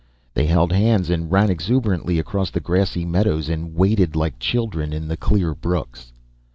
They held hands and ran exuberantly across the grassy meadows, and waded like children in the clear brooks.